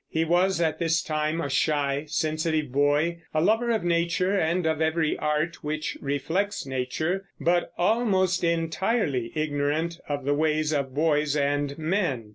He was at this time a shy, sensitive boy, a lover of nature and of every art which reflects nature, but almost entirely ignorant of the ways of boys and men.